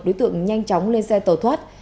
đối tượng nhanh chóng lên xe tàu thoát